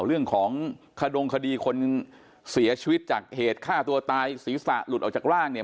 เรื่องของขดงคดีคนเสียชีวิตจากเหตุฆ่าตัวตายศีรษะหลุดออกจากร่างเนี่ย